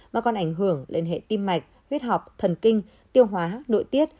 mà còn ảnh hưởng lên hệ tim mạch huyết học thần kinh tiêu hóa nội tiết